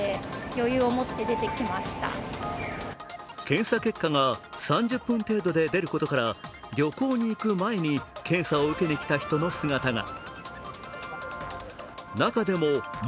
検査結果が３０分程度で出ることから旅行に行く前に検査を受けに来た人の姿が。